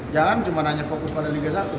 jangan cuma hanya fokus pada liga satu